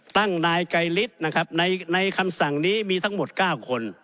นายไกรฤทธิ์นะครับในคำสั่งนี้มีทั้งหมด๙คน